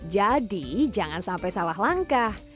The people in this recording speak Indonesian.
jadi jangan sampai salah langkah